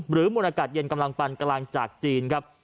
มวลอากาศเย็นกำลังปันกำลังจากจีนครับ